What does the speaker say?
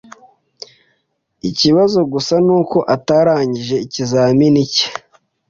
Ikibazo gusa nuko atarangije ikizamini cye.